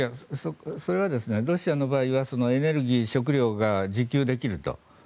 それはロシアの場合はエネルギー、食料が自給できると。